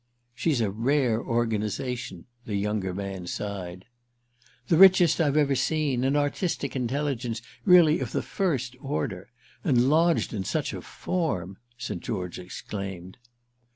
"She's a rare organisation," the younger man sighed. "The richest I've ever seen—an artistic intelligence really of the first order. And lodged in such a form!" St. George exclaimed.